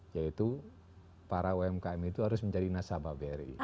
yaitu para umkm itu harus menjadi nasabah bri